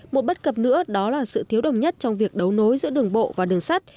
một bất cập nữa đó là sự thiếu đồng nhất trong việc đấu nối giữa đường bộ và đường sắt